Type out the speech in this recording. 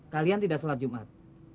kalian tidak sholat jumat